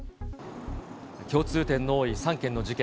共通点の多い３件の事件。